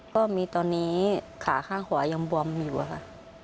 ก็มีตอนนี้ขาข้างขวายังบวมอยู่อะค่ะ